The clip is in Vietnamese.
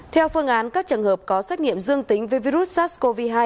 theo phương án các trường hợp có xét nghiệm dương tính với virus sars cov hai